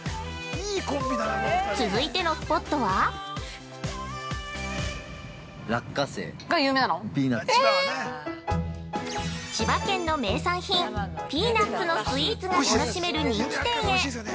◆続いてのスポットは◆千葉県の名産品、ピーナッツのスイーツが楽しめる人気店へ。